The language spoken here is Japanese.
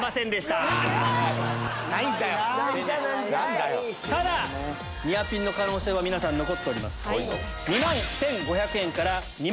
ただニアピンの可能性は皆さん残っております。